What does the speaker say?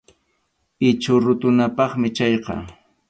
Ichhu rutunapaqmi chayqa.